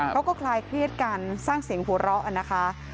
คลายเครียดกันสร้างเสียงหัวเราะนะคะ